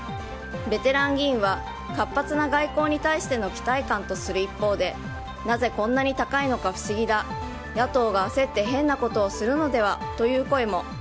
ベテラン議員は活発な外交に対しての期待感とする一方でなぜこんなに高いのか不思議だ野党が焦って変なことをするのではという声も。